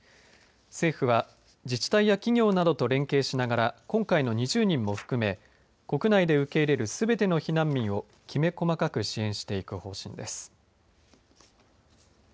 政府は自治体や企業などと連携しながら今回の２０人も含め国内で受け入れるすべての避難民をきめ細かく支援していく方針です。